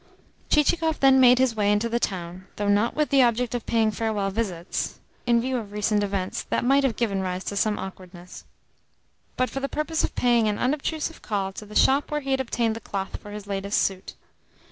Chichikov then made his way into the town though not with the object of paying farewell visits (in view of recent events, that might have given rise to some awkwardness), but for the purpose of paying an unobtrusive call at the shop where he had obtained the cloth for his latest suit.